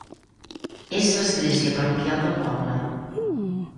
És l'església parroquial del poble.